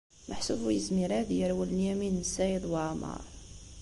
Meḥsub ur yezmir ara ad yerwel Lyamin n Saɛid Waɛmeṛ.